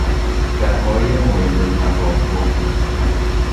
بهای مورد توافق